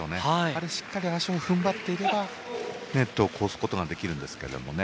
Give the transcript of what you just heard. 足をしっかり踏ん張っていればネットを越すことができるんですけどね。